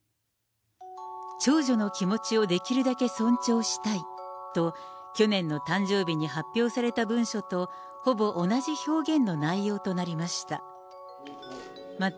長女の気持ちをできるだけ尊重したいと、去年の誕生日に発表された文書とほぼ同じ表現の内容となりました。